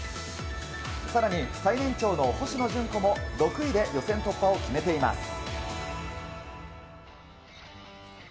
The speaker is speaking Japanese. さらに、最年長の星野純子も６位で予選突破を決めています。